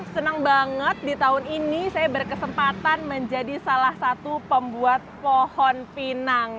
senang banget di tahun ini saya berkesempatan menjadi salah satu pembuat pohon pinang